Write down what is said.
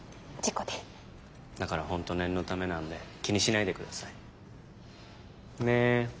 だからホント念のためなんで気にしないでください。ね。